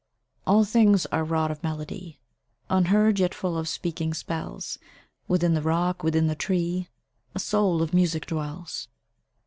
All things are wrought of melody, Unheard, yet full of speaking spells; Within the rock, within the tree, A soul of music dwells.